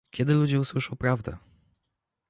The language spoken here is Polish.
Kiedy ludzie usłyszą prawdę?